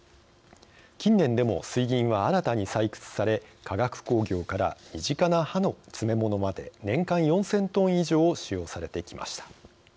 近年でも水銀は新たに採掘され化学工業から身近な歯の詰め物まで年間４０００トン以上使用されてきました。